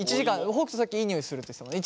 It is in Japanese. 北斗さっきいい匂いするって言ってたもんね。